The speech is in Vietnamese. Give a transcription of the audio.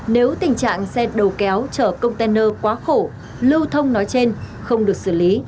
nếu tình trạng xe đầu kéo chở container quá khổ lưu thông nói trên không được xử lý